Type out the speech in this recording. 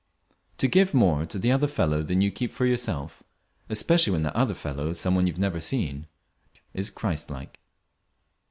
To give more to the other fellow than you keep for yourself, especially when that other fellow is some one you have never seen, is Christlike.